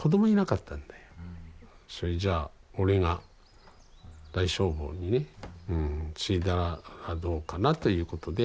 それじゃあ俺が大聖坊にね継いだらどうかなということで。